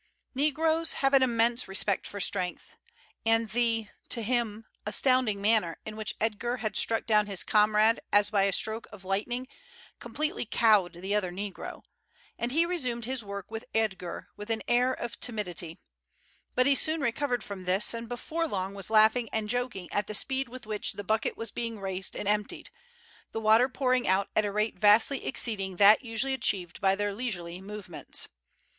Negroes have an immense respect for strength, and the, to him, astounding manner in which Edgar had struck down his comrade as by a stroke of lightning completely cowed the other negro, and he resumed his work with Edgar with an air of timidity; but he soon recovered from this, and before long was laughing and joking at the speed with which the bucket was being raised and emptied, the water pouring out at a rate vastly exceeding that usually achieved by their leisurely movements.